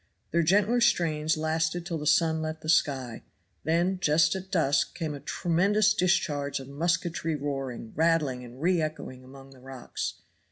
Their gentler strains lasted till the sun left the sky; then, just at dusk, came a tremendous discharge of musketry roaring, rattling, and re echoing among the rocks.